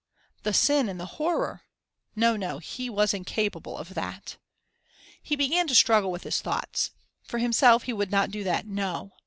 The sin and the horror! No, no, he was incapable of that. He began to struggle with his thoughts. For himself, he would not do that No!